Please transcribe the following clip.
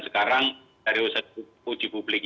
sekarang dari uji publik